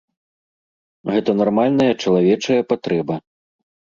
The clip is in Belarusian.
Гэта нармальная чалавечая патрэба.